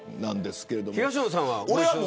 東野さんは。